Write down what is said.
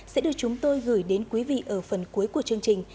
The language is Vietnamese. sẽ được chúng tôi gửi đến quý vị ở phần cuối của chương trình